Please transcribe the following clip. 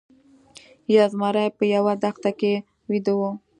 یو زمری په یوه دښته کې ویده و.